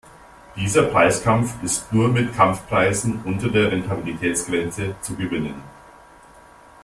Dieser Preiskampf ist nur mit Kampfpreisen unter der Rentabilitätsgrenze zu gewinnen.